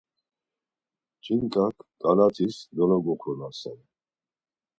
Ç̌inǩak ǩalatis dologoxunasen.